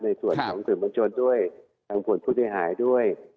ในส่วนของส่วนบัญชนด้วยทางผลผู้โดยหายด้วย